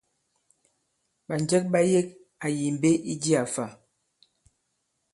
Ɓànjɛ ɓa yek àyì mbe i jiā fa?